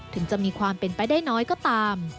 ถึงจะมีความเป็นไปได้น้อยก็ตาม